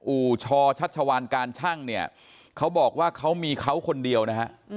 อู่ชอชัชวานการชั่งเนี่ยเขาบอกว่าเขามีเขาคนเดียวนะฮะ